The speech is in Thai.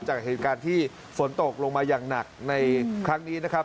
จากเหตุการณ์ที่ฝนตกลงมาอย่างหนักในครั้งนี้นะครับ